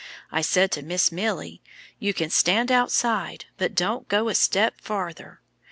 I said to Miss Milly, 'You can stand outside, but don't go a step farther.'